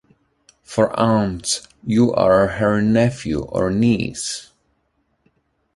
For aunts, you are her nephew or niece.